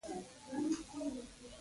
که معیار د دین مډرن فهم وي.